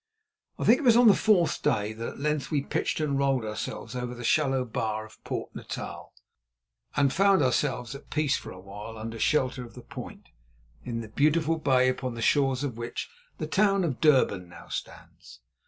I think it was on the fourth day that at length we pitched and rolled ourselves over the shallow bar of Port Natal and found ourselves at peace for a while under shelter of the Point in the beautiful bay upon the shores of which the town of Durban now stands.